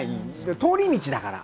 通り道だから。